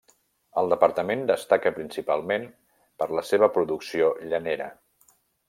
El departament destaca principalment per la seva producció llanera.